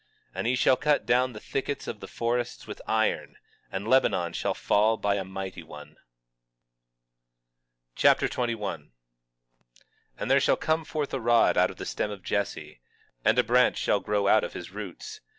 20:34 And he shall cut down the thickets of the forests with iron, and Lebanon shall fall by a mighty one. 2 Nephi Chapter 21 21:1 And there shall come forth a rod out of the stem of Jesse, and a branch shall grow out of his roots.